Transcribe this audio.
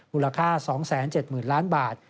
มูลค่า๒๗๐๐๐ล้านบาท